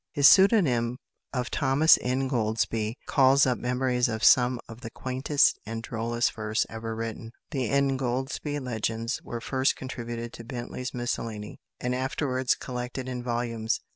His pseudonym of Thomas Ingoldsby calls up memories of some of the quaintest and drollest verse ever written. "The Ingoldsby Legends" were first contributed to Bentley's Miscellany, and afterwards collected in volumes.